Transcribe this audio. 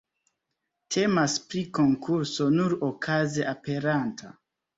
Temas pri konkurso nur okaze aperanta.